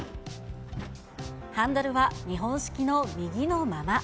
ハンドルは日本式の右のまま。